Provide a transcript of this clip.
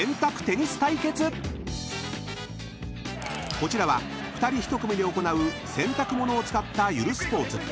［こちらは２人１組で行う洗濯物を使ったゆるスポーツ］